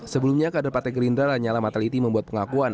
sebelumnya kader partai gerindra lanyala mataliti membuat pengakuan